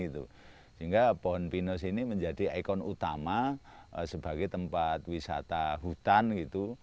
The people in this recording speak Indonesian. sehingga pohon pinus ini menjadi ikon utama sebagai tempat wisata hutan gitu